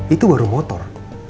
itu baru motor